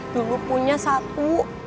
dulu punya satu